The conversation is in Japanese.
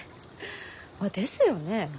あですよね。